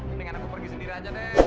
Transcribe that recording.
mendingan aku pergi sendiri aja deh